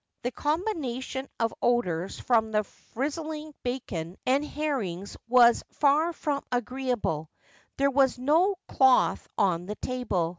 The combination of odours from the frizzling bacon and herrings was far from agreeable There was no cloth on the table.